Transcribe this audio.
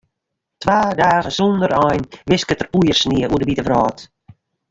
Twa dagen sonder ein wisket der poeiersnie oer de wite wrâld.